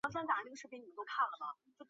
肯顿是英格兰伦敦西北部的一个地区。